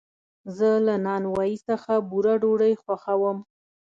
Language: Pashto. زه له نانوایي څخه بوره ډوډۍ خوښوم.